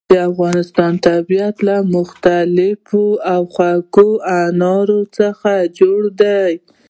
د افغانستان طبیعت له مختلفو او خوږو انارو څخه جوړ شوی دی.